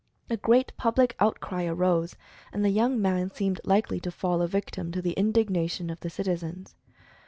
A great public outcry arose, and the young man seemed likely to fall a victim to the indignation of the citizens.